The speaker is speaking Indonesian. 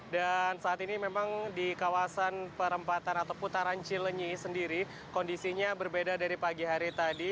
dan saat ini memang di kawasan perempatan atau putaran cilenyi sendiri kondisinya berbeda dari pagi hari tadi